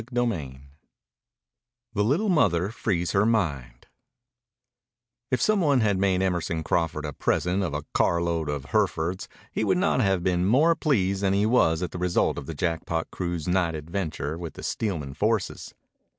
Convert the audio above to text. CHAPTER XX THE LITTLE MOTHER FREES HER MIND If some one had made Emerson Crawford a present of a carload of Herefords he could not have been more pleased than he was at the result of the Jackpot crew's night adventure with the Steelman forces.